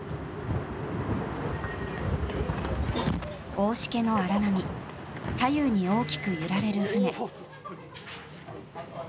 大しけの荒波左右に大きく揺られる船。